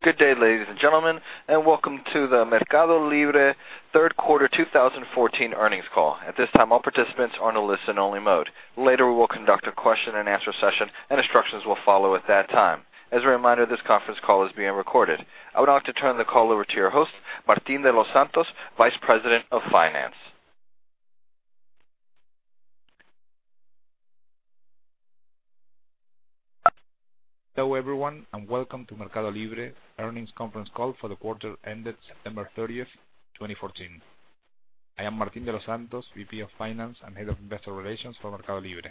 Good day, ladies and gentlemen, welcome to the MercadoLibre third quarter 2014 earnings call. At this time, all participants are in a listen-only mode. Later, we will conduct a question-and-answer session, instructions will follow at that time. As a reminder, this conference call is being recorded. I would now like to turn the call over to your host, Martín de los Santos, Vice President of Finance. Hello, everyone, welcome to MercadoLibre earnings conference call for the quarter ended September 30th, 2014. I am Martín de los Santos, VP of Finance and Head of Investor Relations for MercadoLibre.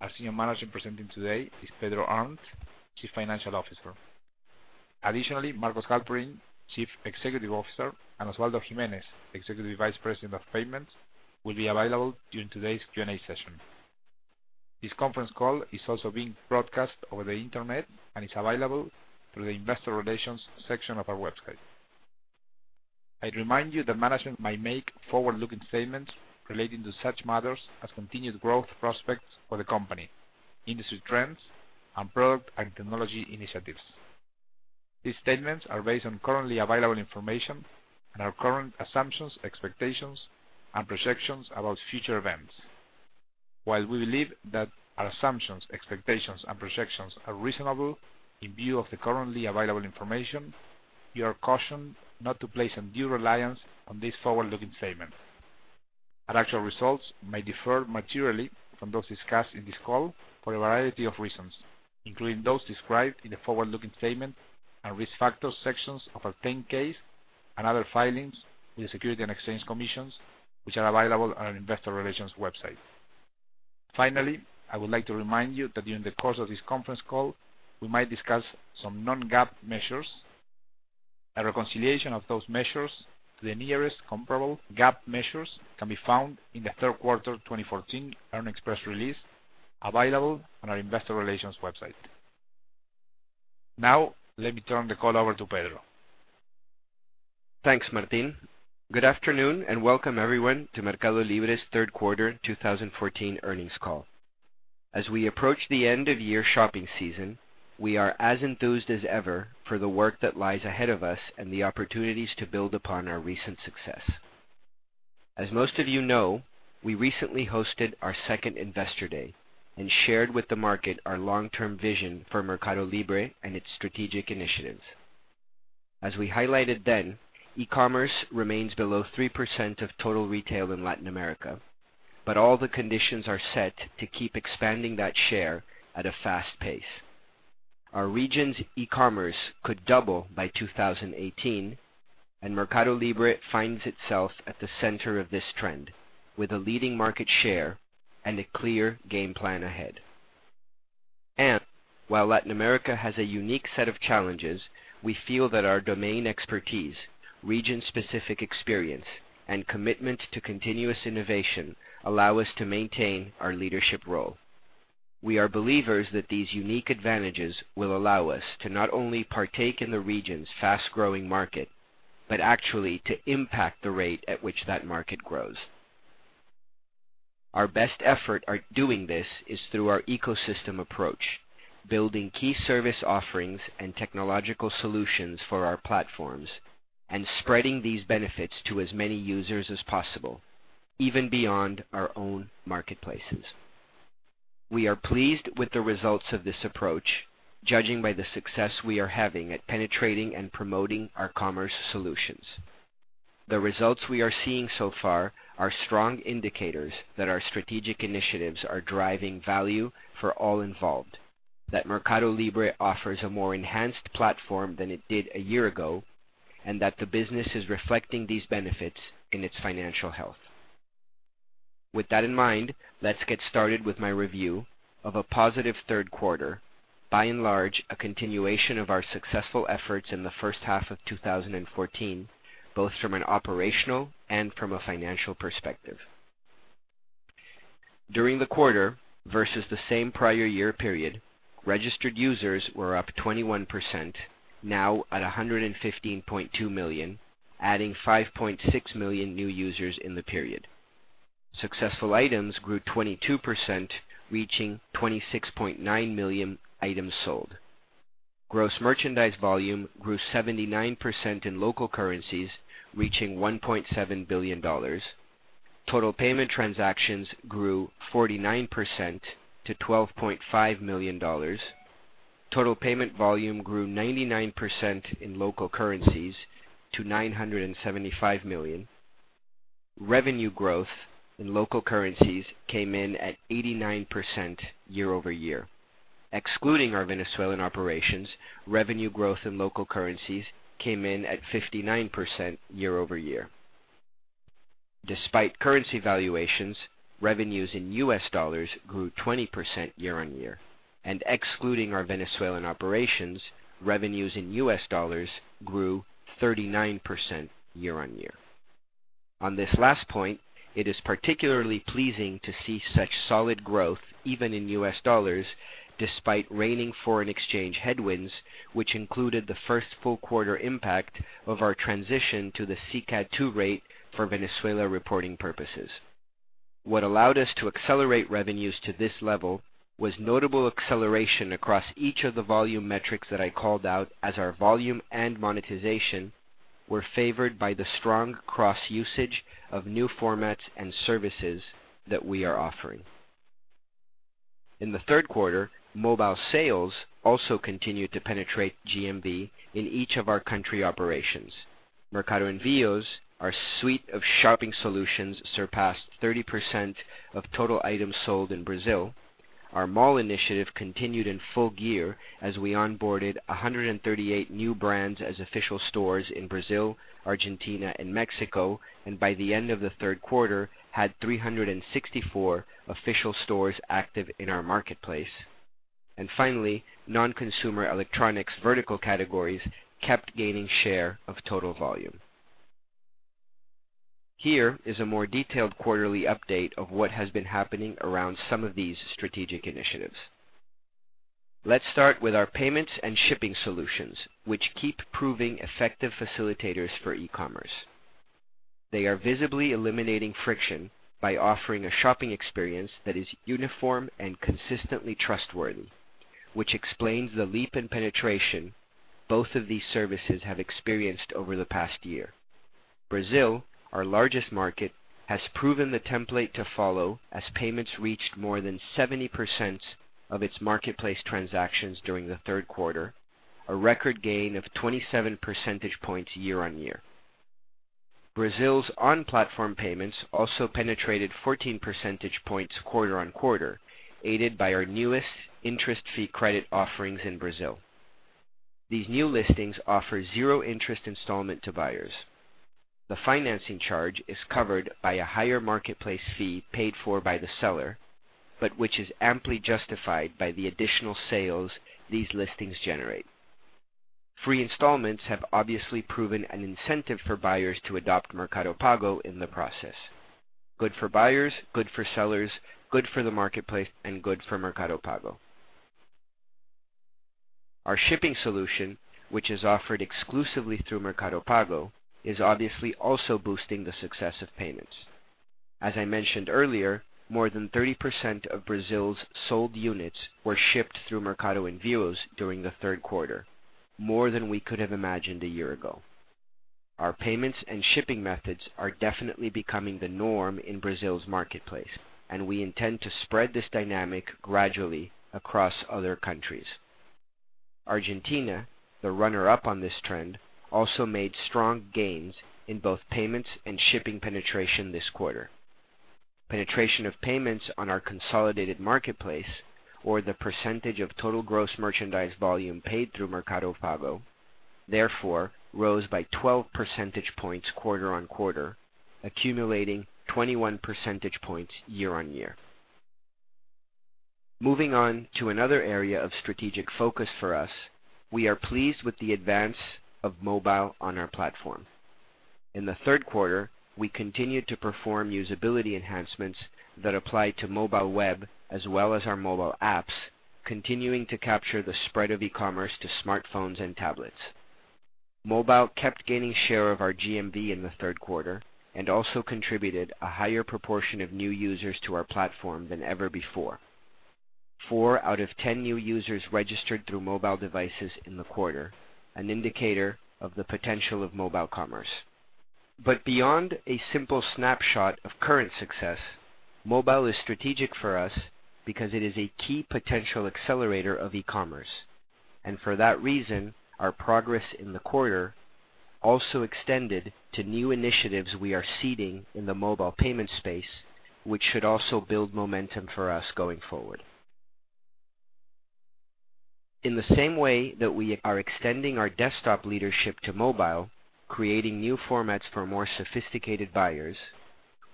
Our Senior Management presenting today is Pedro Arnt, Chief Financial Officer. Additionally, Marcos Galperin, Chief Executive Officer, Osvaldo Giménez, Executive Vice President of Payments, will be available during today's Q&A session. This conference call is also being broadcast over the internet and is available through the investor relations section of our website. I'd remind you that management might make forward-looking statements relating to such matters as continued growth prospects for the company, industry trends, and product and technology initiatives. These statements are based on currently available information and our current assumptions, expectations, and projections about future events. While we believe that our assumptions, expectations, and projections are reasonable in view of the currently available information, you are cautioned not to place undue reliance on these forward-looking statements. Our actual results may differ materially from those discussed in this call for a variety of reasons, including those described in the forward-looking statement and risk factors sections of our 10-K and other filings with Securities and Exchange Commission, which are available on our investor relations website. Finally, I would like to remind you that during the course of this conference call, we might discuss some non-GAAP measures. A reconciliation of those measures to the nearest comparable GAAP measures can be found in the third quarter 2014 earnings press release available on our investor relations website. Let me turn the call over to Pedro. Thanks, Martín. Good afternoon, welcome everyone to MercadoLibre's third quarter 2014 earnings call. As we approach the end-of-year shopping season, we are as enthused as ever for the work that lies ahead of us and the opportunities to build upon our recent success. As most of you know, we recently hosted our second Investor Day, shared with the market our long-term vision for MercadoLibre and its strategic initiatives. As we highlighted then, e-commerce remains below 3% of total retail in Latin America, all the conditions are set to keep expanding that share at a fast pace. Our region's e-commerce could double by 2018, MercadoLibre finds itself at the center of this trend with a leading market share and a clear game plan ahead. While Latin America has a unique set of challenges, we feel that our domain expertise, region-specific experience, and commitment to continuous innovation allow us to maintain our leadership role. We are believers that these unique advantages will allow us to not only partake in the region's fast-growing market but actually to impact the rate at which that market grows. Our best effort at doing this is through our ecosystem approach, building key service offerings and technological solutions for our platforms and spreading these benefits to as many users as possible, even beyond our own marketplaces. We are pleased with the results of this approach, judging by the success we are having at penetrating and promoting our commerce solutions. The results we are seeing so far are strong indicators that our strategic initiatives are driving value for all involved, that MercadoLibre offers a more enhanced platform than it did a year ago, and that the business is reflecting these benefits in its financial health. With that in mind, let's get started with my review of a positive third quarter, by and large, a continuation of our successful efforts in the first half of 2014, both from an operational and from a financial perspective. During the quarter versus the same prior year period, registered users were up 21%, now at 115.2 million, adding 5.6 million new users in the period. Successful items grew 22%, reaching 26.9 million items sold. Gross merchandise volume grew 79% in local currencies, reaching $1.7 billion. Total payment transactions grew 49% to $12.5 million. Total payment volume grew 99% in local currencies to $975 million. Revenue growth in local currencies came in at 89% year-over-year. Excluding our Venezuelan operations, revenue growth in local currencies came in at 59% year-over-year. Despite currency valuations, revenues in U.S. dollars grew 20% year-on-year, and excluding our Venezuelan operations, revenues in U.S. dollars grew 39% year-on-year. On this last point, it is particularly pleasing to see such solid growth even in U.S. dollars, despite reigning foreign exchange headwinds, which included the first full quarter impact of our transition to the SICAD II rate for Venezuela reporting purposes. What allowed us to accelerate revenues to this level was notable acceleration across each of the volume metrics that I called out as our volume and monetization were favored by the strong cross-usage of new formats and services that we are offering. In the third quarter, mobile sales also continued to penetrate GMV in each of our country operations. Mercado Envios, our suite of shopping solutions, surpassed 30% of total items sold in Brazil. Our mall initiative continued in full gear as we onboarded 138 new brands as official stores in Brazil, Argentina, and Mexico, and by the end of the third quarter, had 364 official stores active in our marketplace. Finally, non-consumer electronics vertical categories kept gaining share of total volume. Here is a more detailed quarterly update of what has been happening around some of these strategic initiatives. Let's start with our payments and shipping solutions, which keep proving effective facilitators for e-commerce. They are visibly eliminating friction by offering a shopping experience that is uniform and consistently trustworthy, which explains the leap in penetration both of these services have experienced over the past year. Brazil, our largest market, has proven the template to follow as payments reached more than 70% of its marketplace transactions during the third quarter, a record gain of 27 percentage points year-on-year. Brazil's on-platform payments also penetrated 14 percentage points quarter-on-quarter, aided by our newest interest-free credit offerings in Brazil. These new listings offer zero interest installment to buyers. The financing charge is covered by a higher marketplace fee paid for by the seller, but which is amply justified by the additional sales these listings generate. Free installments have obviously proven an incentive for buyers to adopt Mercado Pago in the process. Good for buyers, good for sellers, good for the marketplace, and good for Mercado Pago. Our shipping solution, which is offered exclusively through Mercado Pago, is obviously also boosting the success of payments. As I mentioned earlier, more than 30% of Brazil's sold units were shipped through Mercado Envios during the third quarter, more than we could have imagined a year ago. Our payments and shipping methods are definitely becoming the norm in Brazil's marketplace, and we intend to spread this dynamic gradually across other countries. Argentina, the runner-up on this trend, also made strong gains in both payments and shipping penetration this quarter. Penetration of payments on our consolidated marketplace, or the percentage of total gross merchandise volume paid through Mercado Pago, therefore rose by 12 percentage points quarter-on-quarter, accumulating 21 percentage points year-on-year. Moving on to another area of strategic focus for us, we are pleased with the advance of mobile on our platform. In the third quarter, we continued to perform usability enhancements that apply to mobile web as well as our mobile apps, continuing to capture the spread of e-commerce to smartphones and tablets. Mobile kept gaining share of our GMV in the third quarter and also contributed a higher proportion of new users to our platform than ever before. Four out of 10 new users registered through mobile devices in the quarter, an indicator of the potential of mobile commerce. Beyond a simple snapshot of current success, mobile is strategic for us because it is a key potential accelerator of e-commerce. For that reason, our progress in the quarter also extended to new initiatives we are seeding in the mobile payment space, which should also build momentum for us going forward. In the same way that we are extending our desktop leadership to mobile, creating new formats for more sophisticated buyers,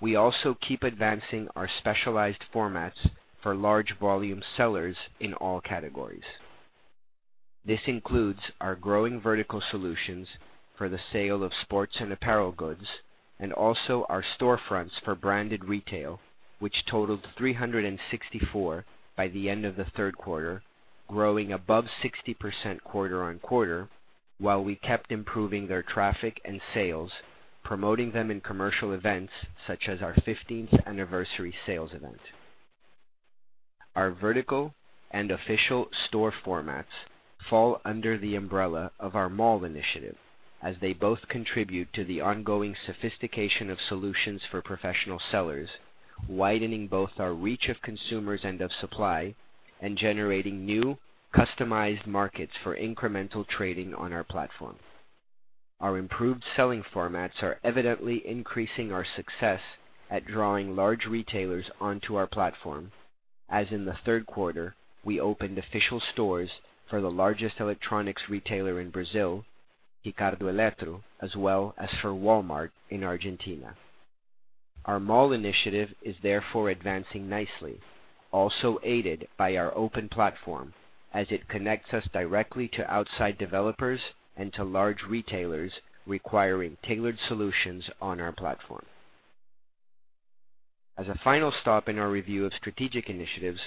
we also keep advancing our specialized formats for large volume sellers in all categories. This includes our growing vertical solutions for the sale of sports and apparel goods, and also our storefronts for branded retail, which totaled 364 by the end of the third quarter, growing above 60% quarter-on-quarter while we kept improving their traffic and sales, promoting them in commercial events such as our 15th-anniversary sales event. Our vertical and official store formats fall under the umbrella of our mall initiative, as they both contribute to the ongoing sophistication of solutions for professional sellers, widening both our reach of consumers and of supply, and generating new customized markets for incremental trading on our platform. Our improved selling formats are evidently increasing our success at drawing large retailers onto our platform, as in the third quarter, we opened official stores for the largest electronics retailer in Brazil, Ricardo Eletro, as well as for Walmart in Argentina. Our mall initiative is therefore advancing nicely, also aided by our open platform, as it connects us directly to outside developers and to large retailers requiring tailored solutions on our platform. As a final stop in our review of strategic initiatives,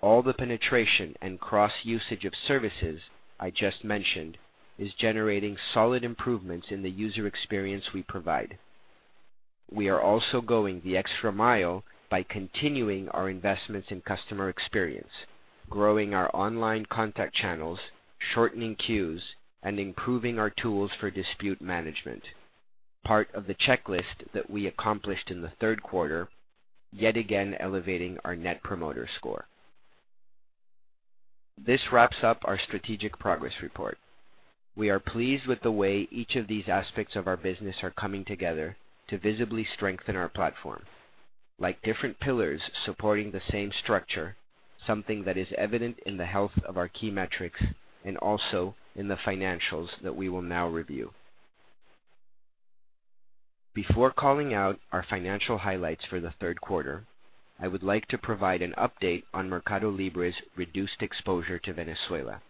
the penetration and cross-usage of services I just mentioned is generating solid improvements in the user experience we provide. We are also going the extra mile by continuing our investments in customer experience, growing our online contact channels, shortening queues, and improving our tools for dispute management. Part of the checklist that we accomplished in the third quarter, yet again elevating our Net Promoter Score. This wraps up our strategic progress report. We are pleased with the way each of these aspects of our business are coming together to visibly strengthen our platform, like different pillars supporting the same structure, something that is evident in the health of our key metrics and also in the financials that we will now review. Before calling out our financial highlights for the third quarter, I would like to provide an update on MercadoLibre's reduced exposure to Venezuela.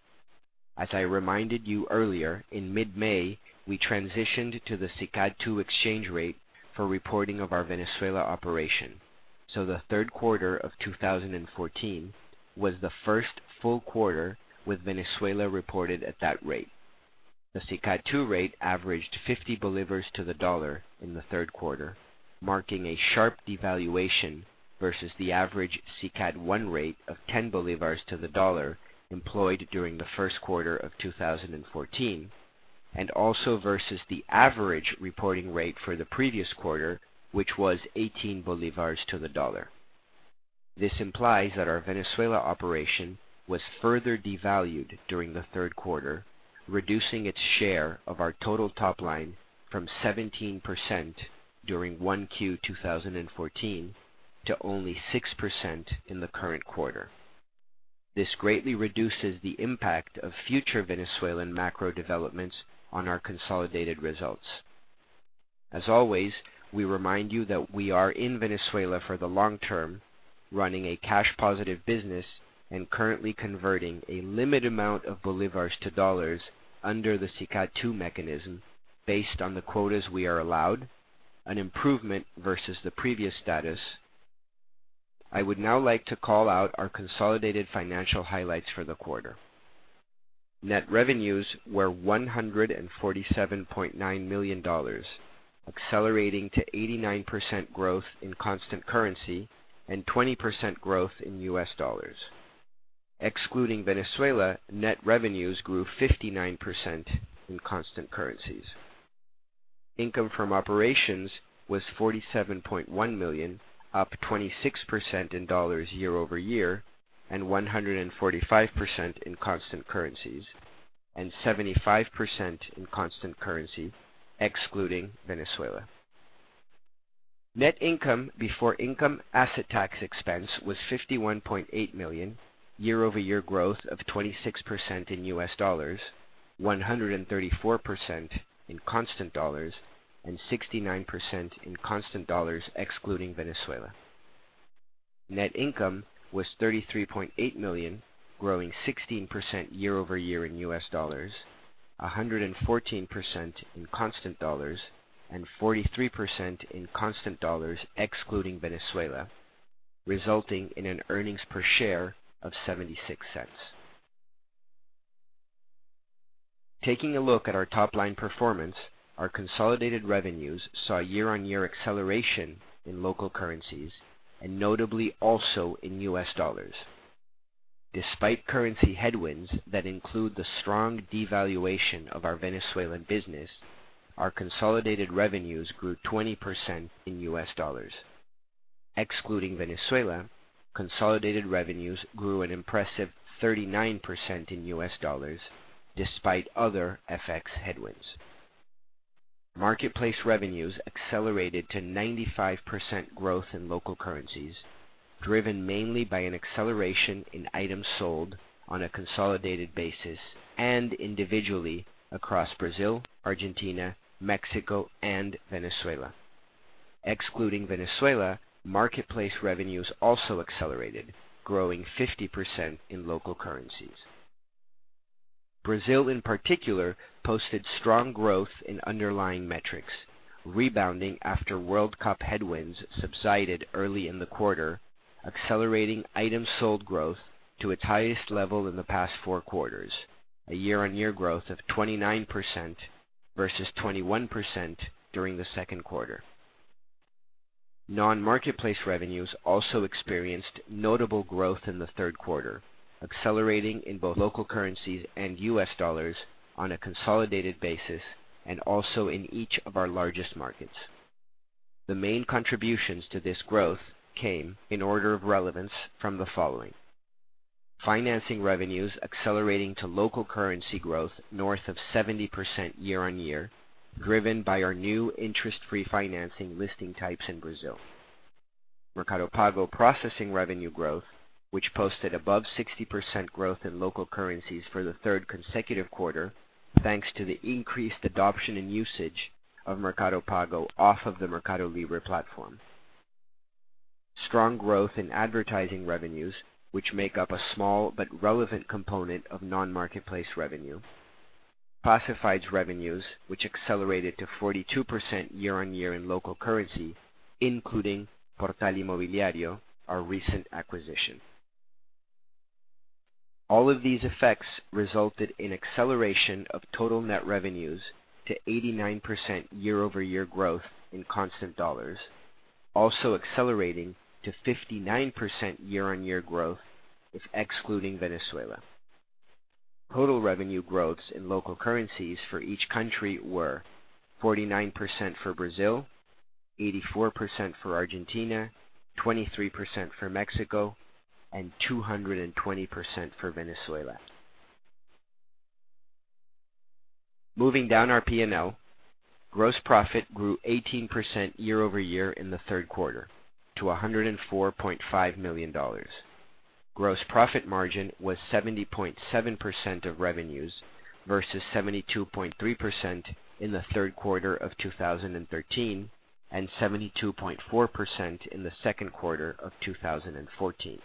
As I reminded you earlier, in mid-May, we transitioned to the SICAD 2 exchange rate for reporting of our Venezuela operation. So the third quarter of 2014 was the first full quarter with Venezuela reported at that rate. The SICAD 2 rate averaged 50 bolivars to the dollar in the third quarter, marking a sharp devaluation versus the average SICAD 1 rate of 10 bolivars to the dollar employed during the first quarter of 2014, and also versus the average reporting rate for the previous quarter, which was 18 bolivars to the dollar. This implies that our Venezuela operation was further devalued during the third quarter, reducing its share of our total top line from 17% during 1Q 2014 to only 6% in the current quarter. This greatly reduces the impact of future Venezuelan macro developments on our consolidated results. As always, we remind you that we are in Venezuela for the long term, running a cash-positive business and currently converting a limited amount of bolivars to dollars under the SICAD 2 mechanism based on the quotas we are allowed, an improvement versus the previous status. I would now like to call out our consolidated financial highlights for the quarter. Net revenues were $147.9 million, accelerating to 89% growth in constant currency and 20% growth in U.S. dollars. Excluding Venezuela, net revenues grew 59% in constant currencies. Income from operations was $47.1 million, up 26% in dollars year-over-year, and 145% in constant currencies, and 75% in constant currency excluding Venezuela. Net income before income asset tax expense was $51.8 million, year-over-year growth of 26% in U.S. dollars, 134% in constant dollars, and 69% in constant dollars excluding Venezuela. Net income was $33.8 million, growing 16% year-over-year in U.S. dollars, 114% in constant dollars, and 43% in constant dollars excluding Venezuela, resulting in an earnings per share of $0.76. Taking a look at our top-line performance, our consolidated revenues saw year-on-year acceleration in local currencies and notably also in U.S. dollars. Despite currency headwinds that include the strong devaluation of our Venezuelan business, our consolidated revenues grew 20% in U.S. dollars. Excluding Venezuela, consolidated revenues grew an impressive 39% in U.S. dollars despite other FX headwinds. Marketplace revenues accelerated to 95% growth in local currencies, driven mainly by an acceleration in items sold on a consolidated basis and individually across Brazil, Argentina, Mexico, and Venezuela. Excluding Venezuela, marketplace revenues also accelerated, growing 50% in local currencies. Brazil, in particular, posted strong growth in underlying metrics, rebounding after World Cup headwinds subsided early in the quarter, accelerating items sold growth to its highest level in the past four quarters, a year-on-year growth of 29% versus 21% during the second quarter. Non-marketplace revenues also experienced notable growth in the third quarter, accelerating in both local currencies and U.S. dollars on a consolidated basis and also in each of our largest markets. The main contributions to this growth came, in order of relevance, from the following: financing revenues accelerating to local currency growth north of 70% year-on-year, driven by our new interest-free financing listing types in Brazil. Mercado Pago processing revenue growth, which posted above 60% growth in local currencies for the third consecutive quarter, thanks to the increased adoption and usage of Mercado Pago off of the MercadoLibre platform. Strong growth in advertising revenues, which make up a small but relevant component of non-marketplace revenue. Classifieds revenues, which accelerated to 42% year-on-year in local currency, including Portal Inmobiliario, our recent acquisition. All of these effects resulted in acceleration of total net revenues to 89% year-over-year growth in constant dollars, also accelerating to 59% year-on-year growth with excluding Venezuela. Total revenue growths in local currencies for each country were 49% for Brazil, 84% for Argentina, 23% for Mexico, and 220% for Venezuela. Moving down our P&L, gross profit grew 18% year-over-year in the third quarter to $104.5 million. Gross profit margin was 70.7% of revenues versus 72.3% in the third quarter of 2013 and 72.4% in the second quarter of 2014.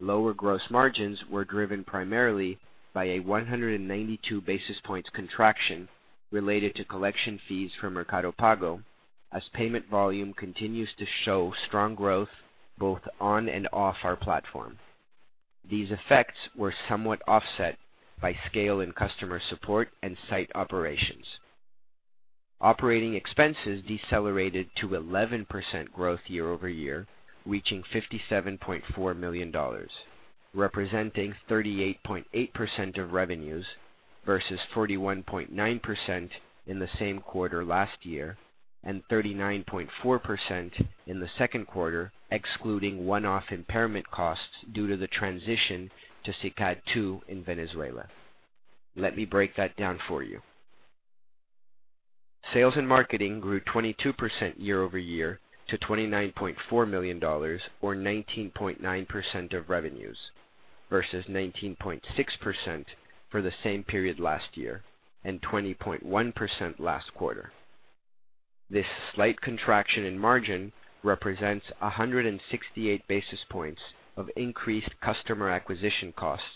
Lower gross margins were driven primarily by a 192 basis points contraction related to collection fees from Mercado Pago as payment volume continues to show strong growth both on and off our platform. These effects were somewhat offset by scale in customer support and site operations. Operating expenses decelerated to 11% growth year-over-year, reaching $57.4 million, representing 38.8% of revenues versus 41.9% in the same quarter last year and 39.4% in the second quarter, excluding one-off impairment costs due to the transition to SICAD 2 in Venezuela. Let me break that down for you. Sales and marketing grew 22% year-over-year to $29.4 million or 19.9% of revenues versus 19.6% for the same period last year and 20.1% last quarter. This slight contraction in margin represents 168 basis points of increased customer acquisition costs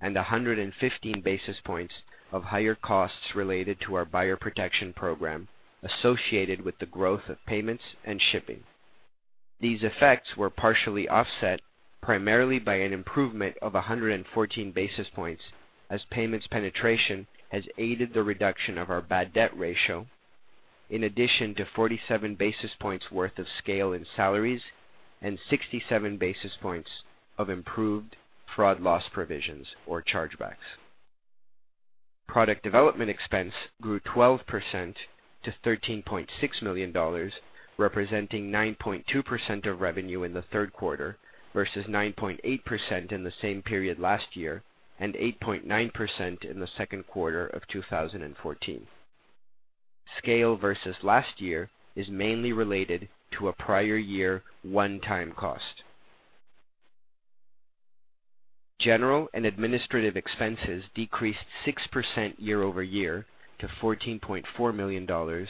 and 115 basis points of higher costs related to our buyer protection program associated with the growth of payments and shipping. These effects were partially offset primarily by an improvement of 114 basis points as payments penetration has aided the reduction of our bad debt ratio, in addition to 47 basis points worth of scale in salaries and 67 basis points of improved fraud loss provisions or chargebacks. Product development expense grew 12% to $13.6 million, representing 9.2% of revenue in the third quarter versus 9.8% in the same period last year and 8.9% in the second quarter of 2014. Scale versus last year is mainly related to a prior year one-time cost. General and administrative expenses decreased 6% year-over-year to $14.4 million,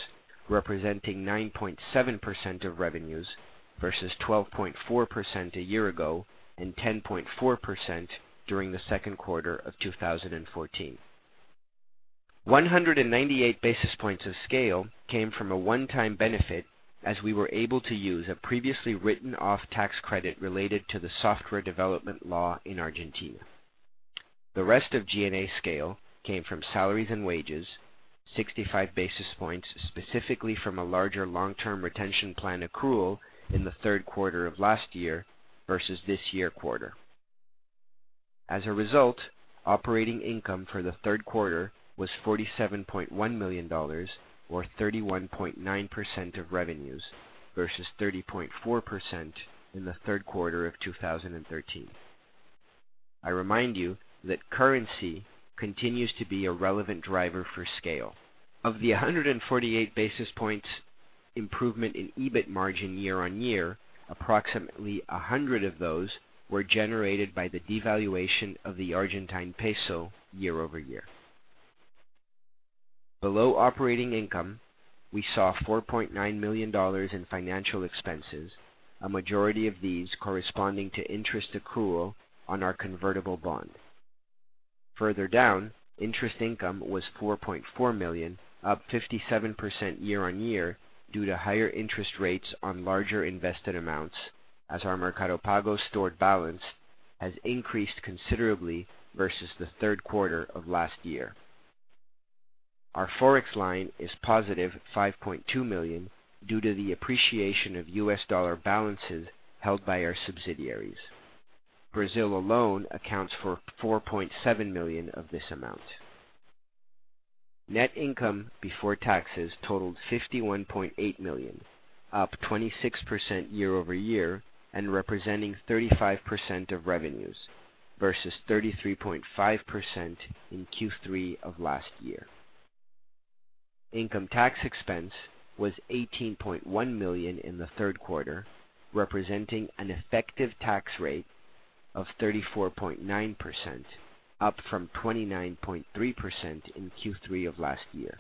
representing 9.7% of revenues versus 12.4% a year ago and 10.4% during the second quarter of 2014. 198 basis points of scale came from a one-time benefit as we were able to use a previously written-off tax credit related to the software development law in Argentina. The rest of G&A scale came from salaries and wages, 65 basis points specifically from a larger long-term retention plan accrual in the third quarter of last year versus this year quarter. As a result, operating income for the third quarter was $47.1 million or 31.9% of revenues versus 30.4% in the third quarter of 2013. I remind you that currency continues to be a relevant driver for scale. Of the 148 basis points improvement in EBIT margin year-on-year, approximately 100 of those were generated by the devaluation of the Argentine peso year-over-year. Below operating income, we saw $4.9 million in financial expenses, a majority of these corresponding to interest accrual on our convertible bond. Further down, interest income was $4.4 million, up 57% year-on-year due to higher interest rates on larger invested amounts as our Mercado Pago stored balance has increased considerably versus the third quarter of last year. Our ForEx line is positive at $5.2 million due to the appreciation of U.S. dollar balances held by our subsidiaries. Brazil alone accounts for $4.7 million of this amount. Net income before taxes totaled $51.8 million, up 26% year-over-year and representing 35% of revenues versus 33.5% in Q3 of last year. Income tax expense was $18.1 million in the third quarter, representing an effective tax rate of 34.9%, up from 29.3% in Q3 of last year.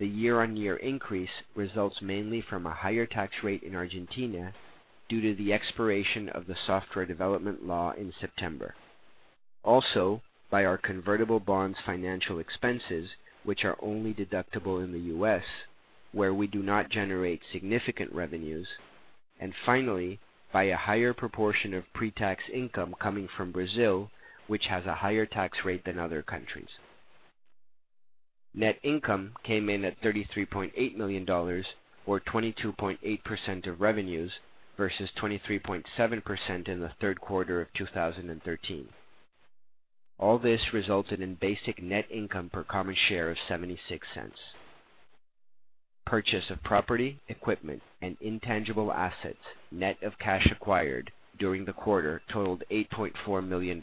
The year-on-year increase results mainly from a higher tax rate in Argentina due to the expiration of the software development law in September. Also, by our convertible bonds financial expenses, which are only deductible in the U.S., where we do not generate significant revenues, and finally, by a higher proportion of pre-tax income coming from Brazil, which has a higher tax rate than other countries. Net income came in at $33.8 million, or 22.8% of revenues versus 23.7% in the third quarter of 2013. All this resulted in basic net income per common share of $0.76. Purchase of property, equipment, and intangible assets, net of cash acquired during the quarter totaled $8.4 million.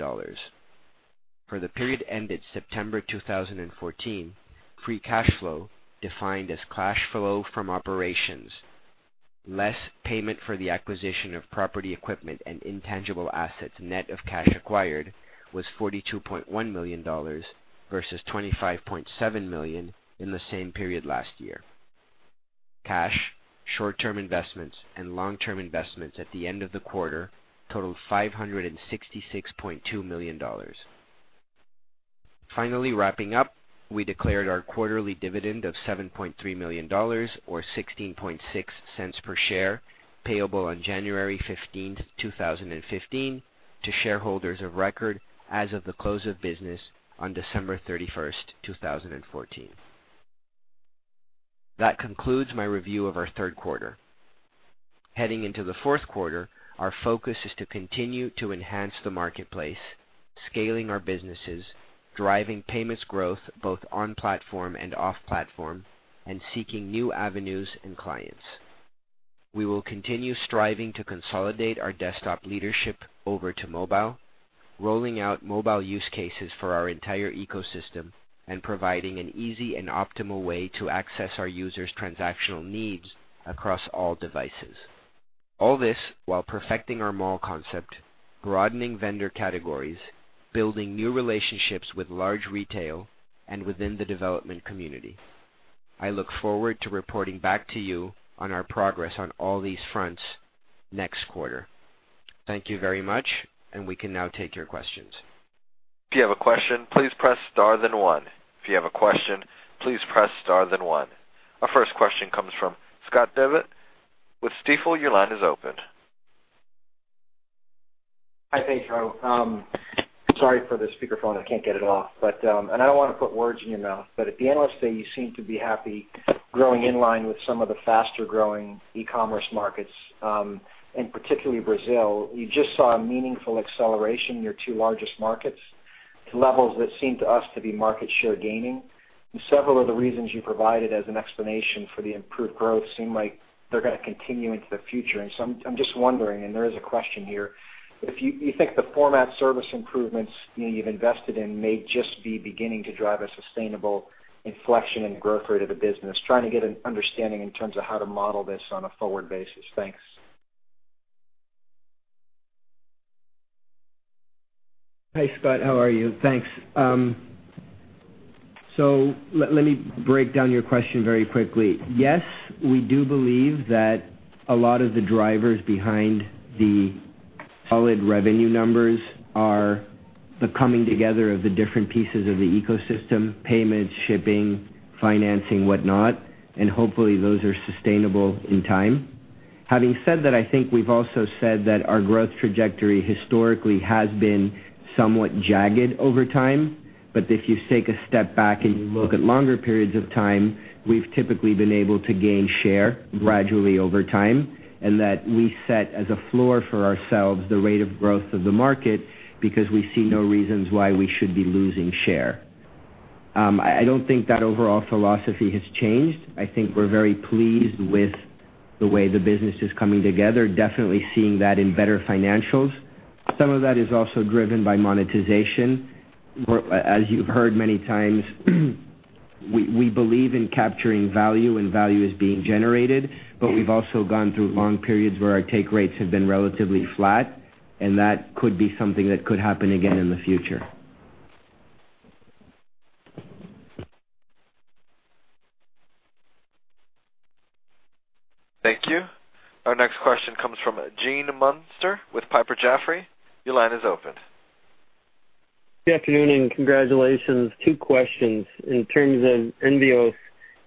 For the period ended September 2014, free cash flow defined as cash flow from operations, less payment for the acquisition of property equipment and intangible assets net of cash acquired was $42.1 million versus $25.7 million in the same period last year. Cash, short-term investments, and long-term investments at the end of the quarter totaled $566.2 million. Wrapping up, we declared our quarterly dividend of $7.3 million, or $0.166 per share, payable on January 15th, 2015 to shareholders of record as of the close of business on December 31st, 2014. That concludes my review of our third quarter. Heading into the fourth quarter, our focus is to continue to enhance the marketplace, scaling our businesses, driving payments growth both on-platform and off-platform, and seeking new avenues and clients. We will continue striving to consolidate our desktop leadership over to mobile, rolling out mobile use cases for our entire ecosystem, and providing an easy and optimal way to access our users' transactional needs across all devices. All this while perfecting our mall concept, broadening vendor categories, building new relationships with large retail and within the development community. I look forward to reporting back to you on our progress on all these fronts next quarter. Thank you very much. We can now take your questions. If you have a question, please press star then one. If you have a question, please press star then one. Our first question comes from Scott Devitt with Stifel. Your line is open. Hi, Pedro. Sorry for the speaker phone. I can't get it off. I don't want to put words in your mouth, but at the Analyst Day, you seem to be happy growing in line with some of the faster-growing e-commerce markets, and particularly Brazil. You just saw a meaningful acceleration in your two largest markets to levels that seem to us to be market share gaining. Several of the reasons you provided as an explanation for the improved growth seem like they're going to continue into the future. I'm just wondering, and there is a question here, if you think the format service improvements you've invested in may just be beginning to drive a sustainable inflection in the growth rate of the business, trying to get an understanding in terms of how to model this on a forward basis. Thanks. Hi, Scott. How are you? Thanks. Let me break down your question very quickly. Yes, we do believe that a lot of the drivers behind the solid revenue numbers are the coming together of the different pieces of the ecosystem, payments, shipping, financing, whatnot, and hopefully those are sustainable in time. Having said that, I think we've also said that our growth trajectory historically has been somewhat jagged over time, but if you take a step back and you look at longer periods of time, we've typically been able to gain share gradually over time, and that we set as a floor for ourselves the rate of growth of the market because we see no reasons why we should be losing share. I don't think that overall philosophy has changed. I think we're very pleased with the way the business is coming together, definitely seeing that in better financials. Some of that is also driven by monetization. As you've heard many times, we believe in capturing value and value is being generated, but we've also gone through long periods where our take rates have been relatively flat, and that could be something that could happen again in the future. Thank you. Our next question comes from Gene Munster with Piper Jaffray. Your line is open. Good afternoon, and congratulations. Two questions. In terms of Mercado Envios,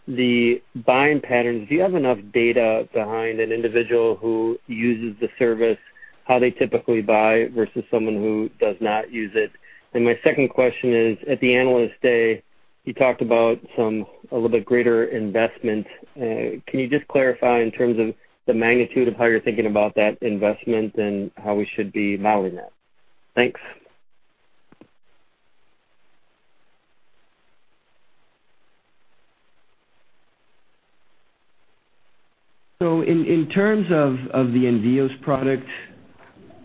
the buying patterns, do you have enough data behind an individual who uses the service, how they typically buy versus someone who does not use it? My second question is, at the Analyst Day, you talked about a little bit greater investment. Can you just clarify in terms of the magnitude of how you're thinking about that investment and how we should be modeling that? Thanks. In terms of the Mercado Envios product,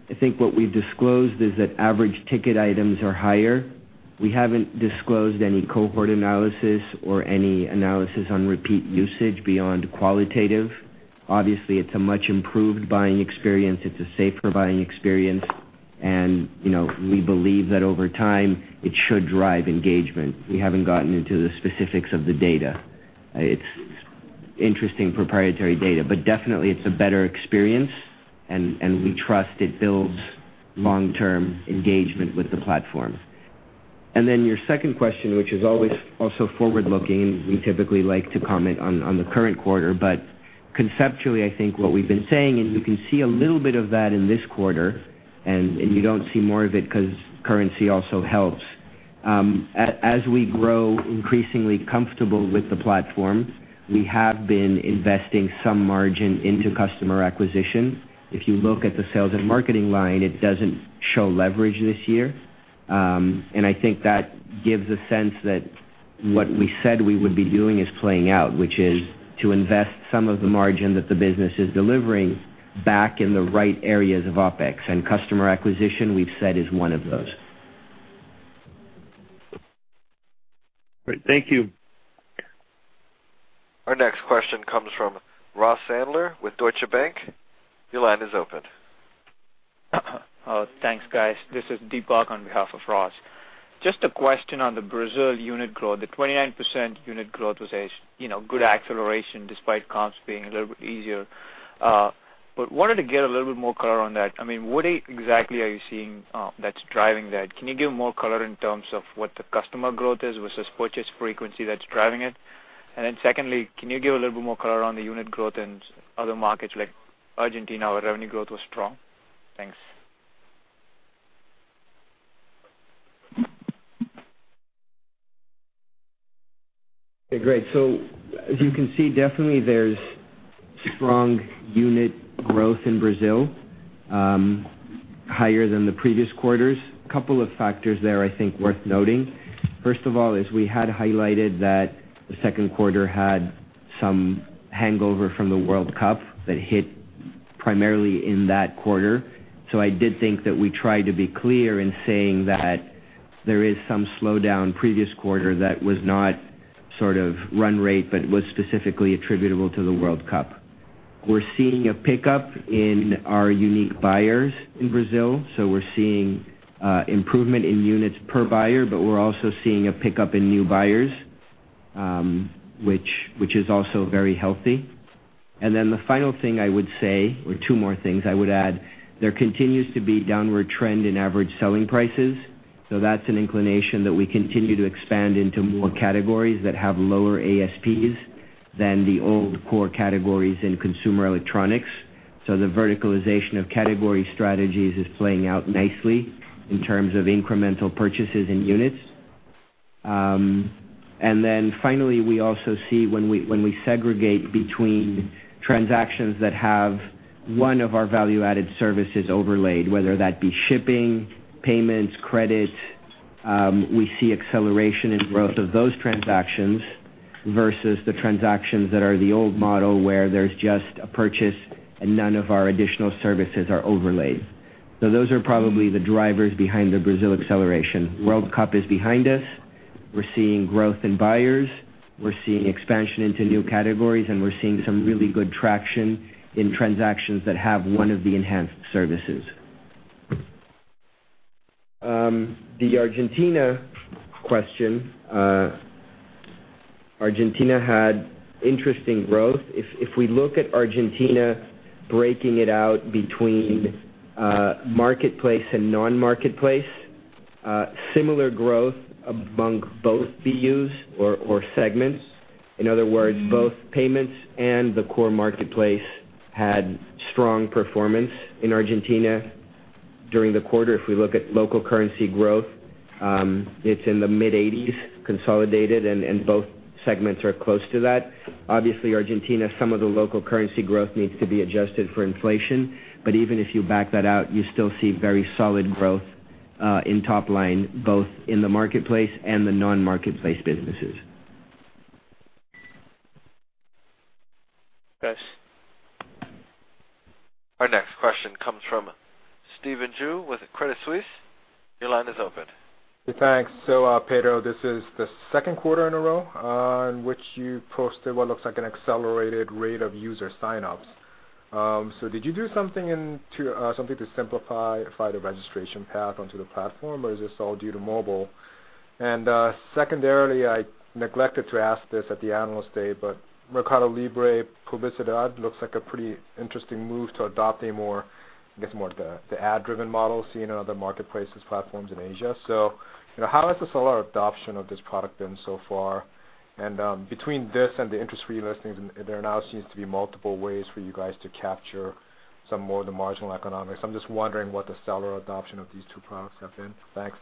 I think what we've disclosed is that average ticket items are higher. We haven't disclosed any cohort analysis or any analysis on repeat usage beyond qualitative. Obviously, it's a much-improved buying experience. It's a safer buying experience. We believe that over time, it should drive engagement. We haven't gotten into the specifics of the data. It's interesting proprietary data, but definitely it's a better experience, and we trust it builds long-term engagement with the platform. Then your second question, which is always also forward-looking, we typically like to comment on the current quarter. Conceptually, I think what we've been saying is you can see a little bit of that in this quarter, you don't see more of it because currency also helps. As we grow increasingly comfortable with the platform, we have been investing some margin into customer acquisition. If you look at the sales and marketing line, it doesn't show leverage this year. I think that gives a sense that what we said we would be doing is playing out. Which is to invest some of the margin that the business is delivering back in the right areas of OpEx, and customer acquisition, we've said, is one of those. Great. Thank you. Our next question comes from Ross Sandler with Deutsche Bank. Your line is open. Thanks, guys. This is Deepak on behalf of Ross. Just a question on the Brazil unit growth. The 29% unit growth was a good acceleration despite comps being a little bit easier. Wanted to get a little bit more color on that. What exactly are you seeing that's driving that? Can you give more color in terms of what the customer growth is versus purchase frequency that's driving it? Secondly, can you give a little bit more color on the unit growth in other markets like Argentina, where revenue growth was strong? Thanks. Okay, great. As you can see, definitely there's strong unit growth in Brazil, higher than the previous quarters. A couple of factors there I think worth noting. First of all is we had highlighted that the second quarter had some hangover from the World Cup that hit primarily in that quarter. I did think that we tried to be clear in saying that there is some slowdown previous quarter that was not sort of run rate, but was specifically attributable to the World Cup. We're seeing a pickup in our unique buyers in Brazil, so we're seeing improvement in units per buyer, but we're also seeing a pickup in new buyers, which is also very healthy. The final thing I would say, or two more things I would add, there continues to be downward trend in average selling prices. That's an inclination that we continue to expand into more categories that have lower ASPs than the old core categories in consumer electronics. The verticalization of category strategies is playing out nicely in terms of incremental purchases in units. Finally, we also see when we segregate between transactions that have one of our value-added services overlaid, whether that be shipping, payments, credit, we see acceleration in growth of those transactions versus the transactions that are the old model where there's just a purchase and none of our additional services are overlaid. Those are probably the drivers behind the Brazil acceleration. World Cup is behind us. We're seeing growth in buyers. We're seeing expansion into new categories, and we're seeing some really good traction in transactions that have one of the enhanced services. The Argentina question. Argentina had interesting growth. If we look at Argentina, breaking it out between marketplace and non-marketplace, similar growth among both BUs or segments. In other words, both payments and the core marketplace had strong performance in Argentina during the quarter. If we look at local currency growth, it's in the mid-80s consolidated, and both segments are close to that. Obviously, Argentina, some of the local currency growth needs to be adjusted for inflation. Even if you back that out, you still see very solid growth in top line, both in the marketplace and the non-marketplace businesses. Thanks. Our next question comes from Stephen Ju with Credit Suisse. Your line is open. Thanks. Pedro, this is the second quarter in a row in which you posted what looks like an accelerated rate of user sign-ups. Did you do something to simplify the registration path onto the platform, or is this all due to mobile? Secondarily, I neglected to ask this at the analyst day, but MercadoLibre Publicidad looks like a pretty interesting move to adopt, I guess, more of the ad-driven model seen in other marketplaces platforms in Asia. How has the seller adoption of this product been so far? Between this and the interest-free listings, there now seems to be multiple ways for you guys to capture some more of the marginal economics. I am just wondering what the seller adoption of these two products have been. Thanks.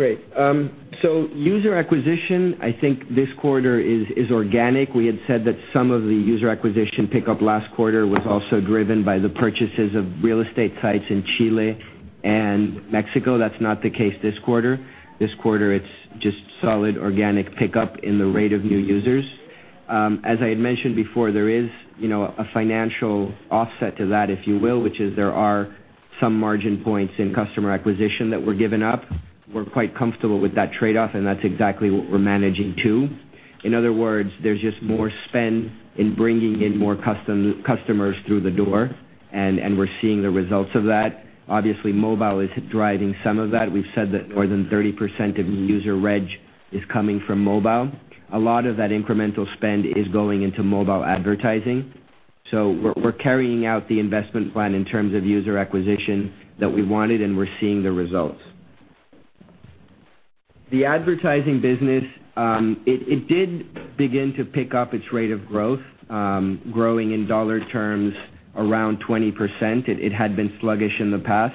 Great. User acquisition, I think this quarter is organic. We had said that some of the user acquisition pickup last quarter was also driven by the purchases of real estate sites in Chile and Mexico. That is not the case this quarter. This quarter, it is just solid organic pickup in the rate of new users. As I had mentioned before, there is a financial offset to that, if you will, which is there are some margin points in customer acquisition that we are giving up. We are quite comfortable with that trade-off, and that is exactly what we are managing to. In other words, there is just more spend in bringing in more customers through the door, and we are seeing the results of that. Obviously, mobile is driving some of that. We have said that more than 30% of user reg is coming from mobile. A lot of that incremental spend is going into mobile advertising. We are carrying out the investment plan in terms of user acquisition that we wanted, and we are seeing the results. The advertising business, it did begin to pick up its rate of growth, growing in U.S. dollar terms, around 20%. It had been sluggish in the past.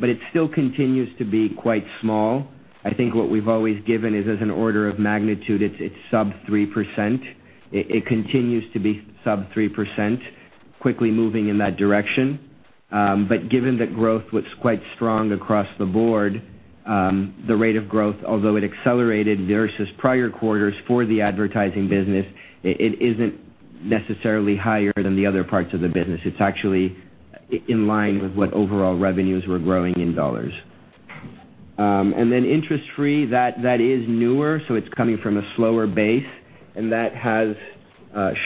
It still continues to be quite small. I think what we have always given is as an order of magnitude, it is sub 3%. It continues to be sub 3%, quickly moving in that direction. Given that growth was quite strong across the board, the rate of growth, although it accelerated versus prior quarters for the advertising business, it is not necessarily higher than the other parts of the business. It is actually in line with what overall revenues were growing in U.S. dollars. Then interest-free, that is newer, so it is coming from a slower base, and that has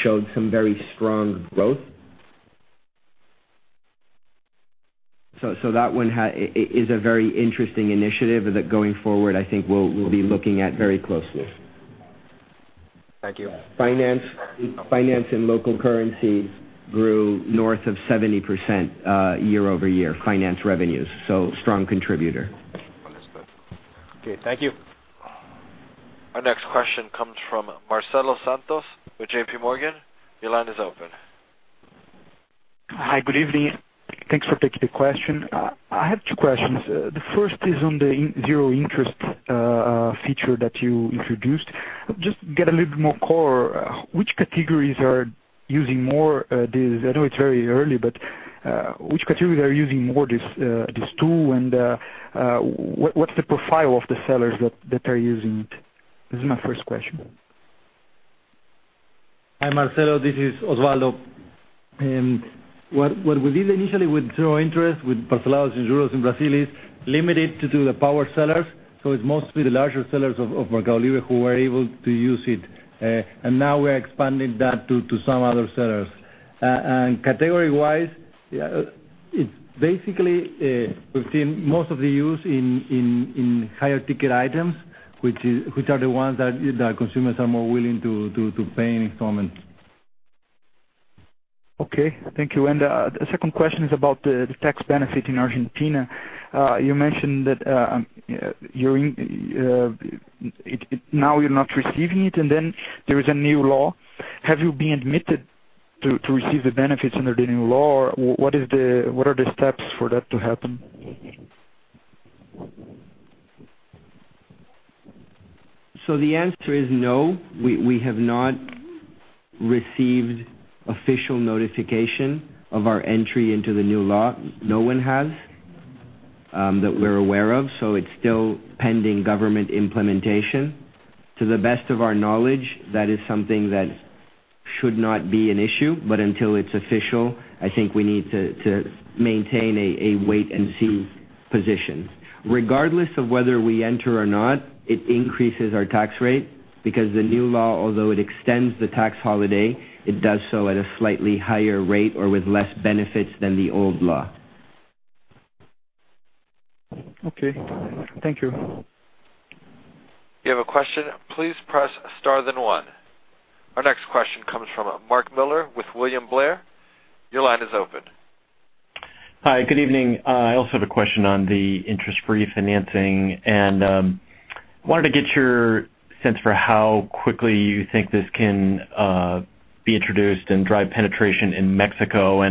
showed some very strong growth. That one is a very interesting initiative that, going forward, I think we'll be looking at very closely. Thank you. Finance in local currency grew north of 70% year-over-year, finance revenues. Strong contributor. Understood. Okay, thank you. Our next question comes from Marcelo Santos with J.P. Morgan. Your line is open. Hi, good evening. Thanks for taking the question. I have two questions. The first is on the zero interest feature that you introduced. Just to get a little bit more core, which categories are using more this? I know it's very early, but which categories are using more this tool, and what's the profile of the sellers that are using it? This is my first question. Hi, Marcelo. This is Osvaldo. What we did initially with zero interest, with parcelado sem juros in Brazil, is limit it to the power sellers. It's mostly the larger sellers of MercadoLibre who were able to use it. Now we're expanding that to some other sellers. Category-wise, basically, we've seen most of the use in higher-ticket items, which are the ones that consumers are more willing to pay in installments. Okay, thank you. The second question is about the tax benefit in Argentina. You mentioned that now you're not receiving it, and then there is a new law. Have you been admitted to receive the benefits under the new law, or what are the steps for that to happen? The answer is no. We have not received official notification of our entry into the new law. No one has, that we're aware of. It's still pending government implementation. To the best of our knowledge, that is something that should not be an issue, but until it's official, I think we need to maintain a wait-and-see position. Regardless of whether we enter or not, it increases our tax rate because the new law, although it extends the tax holiday, it does so at a slightly higher rate or with less benefits than the old law. Okay. Thank you. If you have a question, please press star then one. Our next question comes from Mark Miller with William Blair. Your line is open. Hi, good evening. I also have a question on the interest-free financing, and I wanted to get your sense for how quickly you think this can be introduced and drive penetration in Mexico.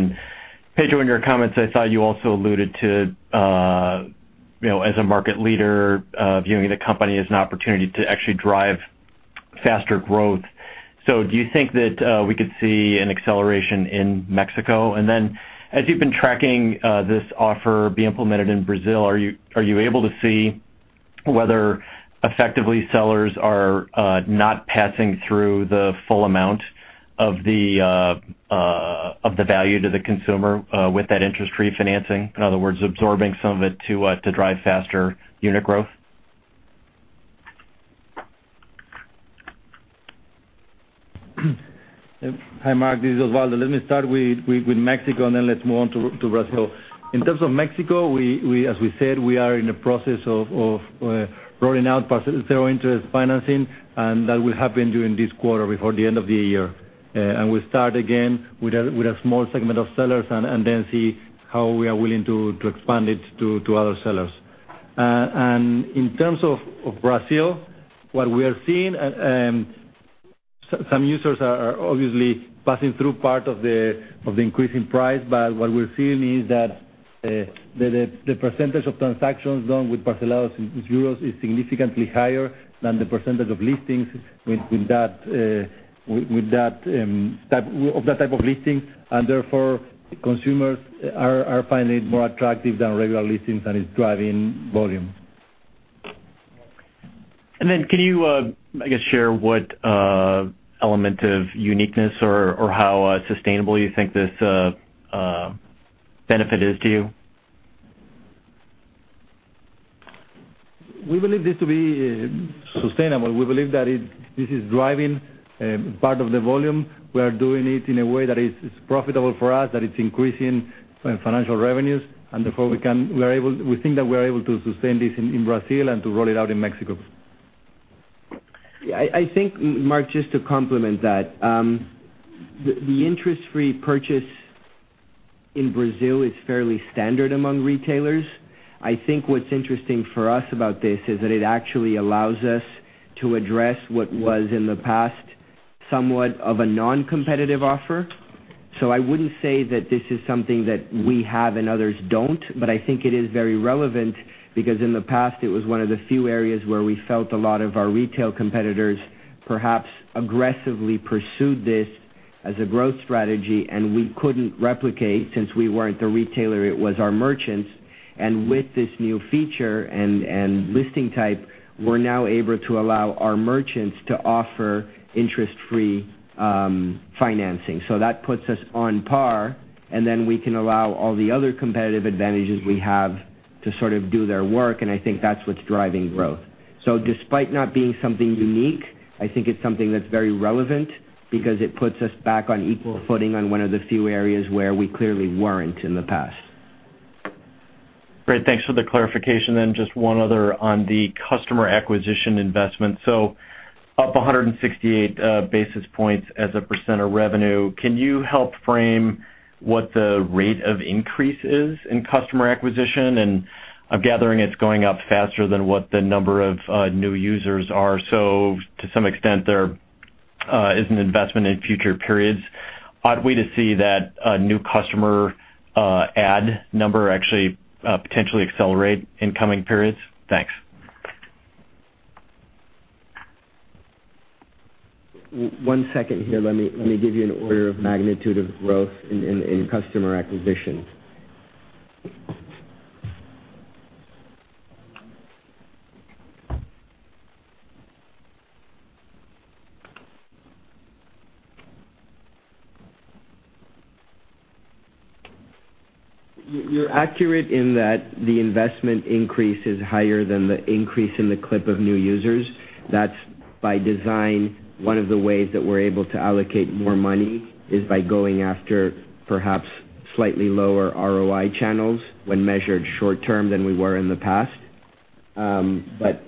Pedro, in your comments, I thought you also alluded to, as a market leader, viewing the company as an opportunity to actually drive faster growth. Do you think that we could see an acceleration in Mexico? As you've been tracking this offer being implemented in Brazil, are you able to see whether effectively sellers are not passing through the full amount of the value to the consumer with that interest-free financing? In other words, absorbing some of it to drive faster unit growth. Hi, Mark. This is Osvaldo. Let me start with Mexico. Then let's move on to Brazil. In terms of Mexico, as we said, we are in the process of rolling out zero interest financing, and that will happen during this quarter before the end of the year. We'll start again with a small segment of sellers. Then see how we are willing to expand it to other sellers. In terms of Brazil, what we are seeing, some users are obviously passing through part of the increasing price. What we're seeing is that the percentage of transactions done with parcelado sem juros is significantly higher than the percentage of listings of that type of listing. Therefore, consumers are finding it more attractive than regular listings, and it's driving volume. Can you, I guess, share what element of uniqueness or how sustainable you think this benefit is to you? We believe this to be sustainable. We believe that this is driving part of the volume. We are doing it in a way that is profitable for us, that it's increasing financial revenues, and therefore, we think that we're able to sustain this in Brazil and to roll it out in Mexico. Yeah, I think, Mark, just to complement that. The interest-free purchase in Brazil is fairly standard among retailers. I think what's interesting for us about this is that it actually allows us to address what was in the past somewhat of a non-competitive offer. I wouldn't say that this is something that we have and others don't, but I think it is very relevant because in the past, it was one of the few areas where we felt a lot of our retail competitors perhaps aggressively pursued this as a growth strategy, and we couldn't replicate since we weren't the retailer, it was our merchants. With this new feature and listing type, we're now able to allow our merchants to offer interest-free financing. That puts us on par, and then we can allow all the other competitive advantages we have to sort of do their work, and I think that's what's driving growth. Despite not being something unique, I think it's something that's very relevant because it puts us back on equal footing on one of the few areas where we clearly weren't in the past. Great. Thanks for the clarification. Just one other on the customer acquisition investment. Up 168 basis points as a % of revenue. Can you help frame what the rate of increase is in customer acquisition? I'm gathering it's going up faster than what the number of new users are. To some extent, there is an investment in future periods. Ought we to see that new customer add number actually potentially accelerate in coming periods? Thanks. One second here. Let me give you an order of magnitude of growth in customer acquisition. You're accurate in that the investment increase is higher than the increase in the clip of new users. That's by design. One of the ways that we're able to allocate more money is by going after perhaps slightly lower ROI channels when measured short term than we were in the past.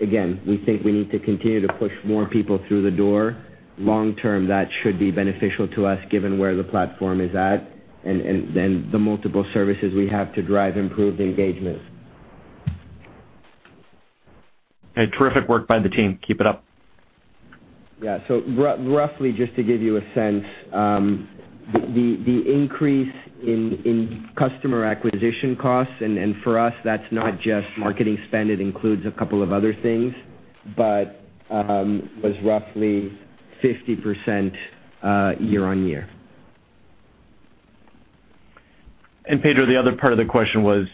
Again, we think we need to continue to push more people through the door. Long term, that should be beneficial to us given where the platform is at and the multiple services we have to drive improved engagement. Hey, terrific work by the team. Keep it up. Yeah. Roughly, just to give you a sense, the increase in customer acquisition costs, and for us, that's not just marketing spend, it includes a couple of other things, but was roughly 50% year-on-year. Pedro, the other part of the question was,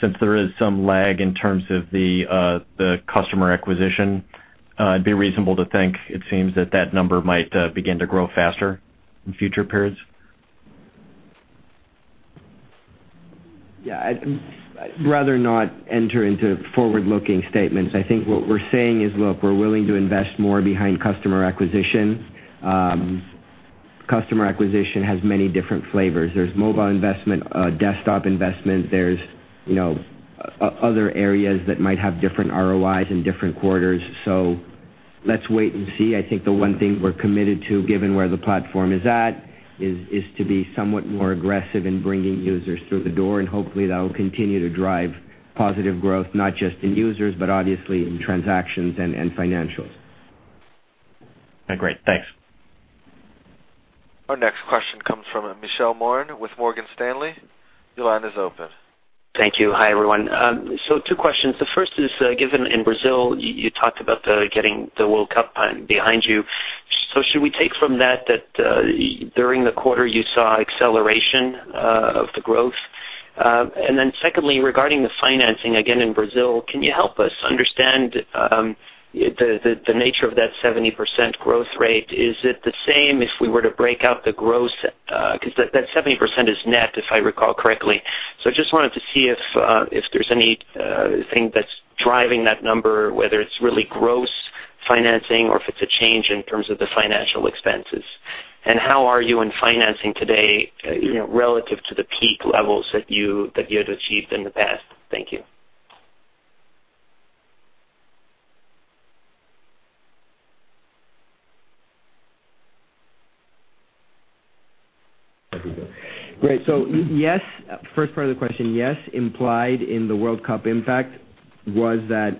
since there is some lag in terms of the customer acquisition, it'd be reasonable to think it seems that that number might begin to grow faster in future periods? Yeah. I'd rather not enter into forward-looking statements. I think what we're saying is, look, we're willing to invest more behind customer acquisition. Customer acquisition has many different flavors. There's mobile investment, desktop investment. There's other areas that might have different ROIs in different quarters. Let's wait and see. I think the one thing we're committed to, given where the platform is at, is to be somewhat more aggressive in bringing users through the door, and hopefully that will continue to drive positive growth, not just in users, but obviously in transactions and financials. Great. Thanks. Our next question comes from Michael Moran with Morgan Stanley. Your line is open. Thank you. Hi, everyone. Two questions. The first is, given in Brazil, you talked about getting the World Cup behind you. Should we take from that during the quarter you saw acceleration of the growth? Secondly, regarding the financing, again in Brazil, can you help us understand the nature of that 70% growth rate? Is it the same if we were to break out the gross? Because that 70% is net, if I recall correctly. I just wanted to see if there's anything that's driving that number, whether it's really gross financing or if it's a change in terms of the financial expenses. How are you in financing today, relative to the peak levels that you'd achieved in the past? Thank you. Great. Yes, first part of the question, yes, implied in the World Cup impact was that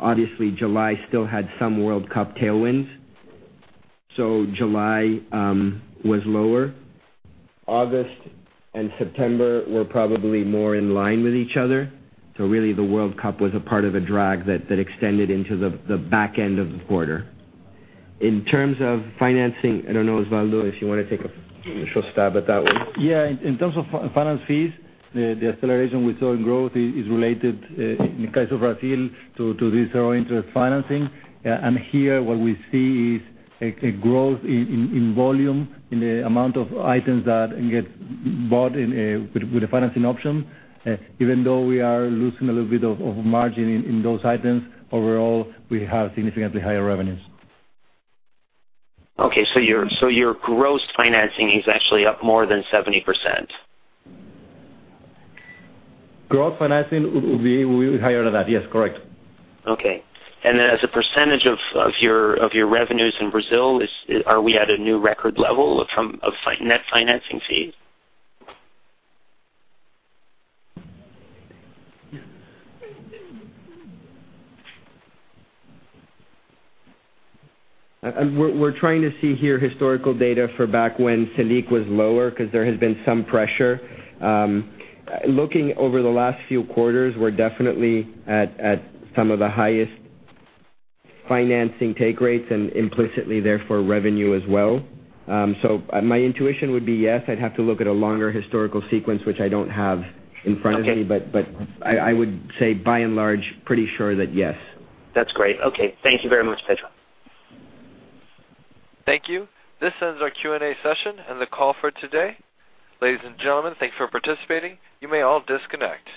obviously July still had some World Cup tailwinds. July was lower. August and September were probably more in line with each other. Really the World Cup was a part of a drag that extended into the back end of the quarter. In terms of financing, I don't know, Osvaldo, if you want to take a short stab at that one. Yeah. In terms of finance fees, the acceleration we saw in growth is related, in the case of Brazil, to this zero interest financing. Here what we see is a growth in volume in the amount of items that get bought with a financing option. Even though we are losing a little bit of margin in those items, overall, we have significantly higher revenues. Okay, your gross financing is actually up more than 70%. Gross financing would be higher than that. Yes, correct. Okay. As a percentage of your revenues in Brazil, are we at a new record level of net financing fees? We're trying to see here historical data for back when SELIC was lower because there has been some pressure. Looking over the last few quarters, we're definitely at some of the highest financing take rates and implicitly therefore revenue as well. My intuition would be yes. I'd have to look at a longer historical sequence, which I don't have in front of me. Okay. I would say by and large, pretty sure that yes. That's great. Okay. Thank you very much, Pedro. Thank you. This ends our Q&A session and the call for today. Ladies and gentlemen, thank you for participating. You may all disconnect.